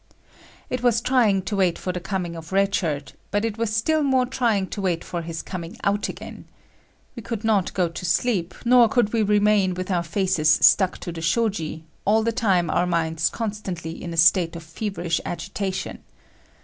It was trying to wait for the coming of Red Shirt, but it was still more trying to wait for his coming out again. We could not go to sleep, nor could we remain with our faces stuck to the shoji all the time our minds constantly in a state of feverish agitation.